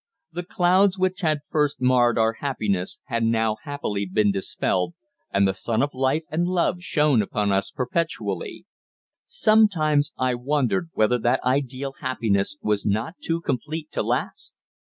The clouds which had first marred our happiness had now happily been dispelled, and the sun of life and love shone upon us perpetually. Sometimes I wondered whether that ideal happiness was not too complete to last.